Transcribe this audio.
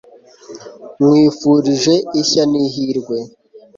nkwifurije ishya n'ihirwe